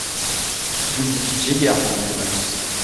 Vous ne vous quittiez guère pendant les vacances.